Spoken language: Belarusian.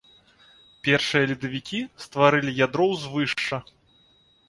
Першыя ледавікі стварылі ядро ўзвышша.